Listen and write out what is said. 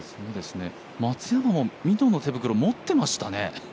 松山もミトンの手袋、持ってましたね。